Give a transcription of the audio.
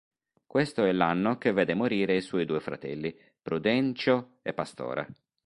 Questo è l'anno che vede morire i suoi due fratelli: Prudencio e Pastora.